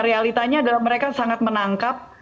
realitanya adalah mereka sangat menangkap